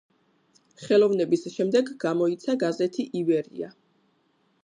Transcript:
ხელოვნების შემდეგ გამოიცა გაზეთი „ივერია“.